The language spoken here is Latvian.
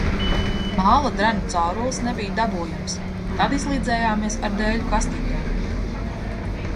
Māla drenu caurules nebija dabūjamas, tad izlīdzējāmies ar dēļu kastītēm.